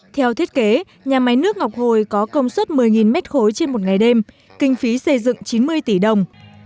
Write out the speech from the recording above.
theo thiết kế nhà máy nước ngọc hồi có công suất một mươi m ba trên một ngày đêm kinh phí xây dựng chín mươi tỷ đồng